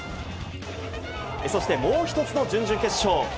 そしてもう１つの準々決勝。